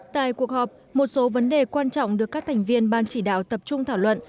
tại cuộc họp một số vấn đề quan trọng được các thành viên ban chỉ đạo tập trung thảo luận